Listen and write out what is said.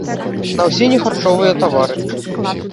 На ўсе нехарчовыя тавары.